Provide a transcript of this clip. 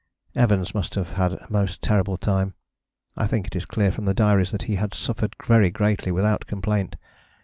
Evans must have had a most terrible time: I think it is clear from the diaries that he had suffered very greatly without complaint.